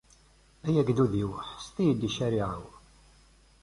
Ay agdud-iw, ḥess-d i ccariɛa-w!